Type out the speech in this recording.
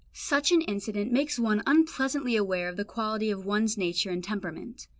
Such an incident makes one unpleasantly aware of the quality of one's nature and temperament.